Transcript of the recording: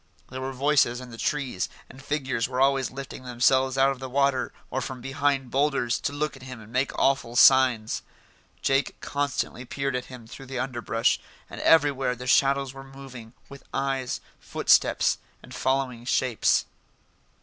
There were voices in the trees, and figures were always lifting themselves out of the water, or from behind boulders, to look at him and make awful signs. Jake constantly peered at him through the underbrush, and everywhere the shadows were moving, with eyes, footsteps, and following shapes.